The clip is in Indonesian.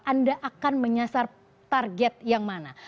anda akan menyasar target yang mana